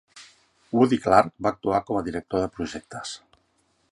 Woody Clark va actuar com a director de projectes.